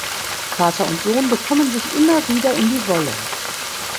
Vater und Sohn bekommen sich immer wieder in die Wolle.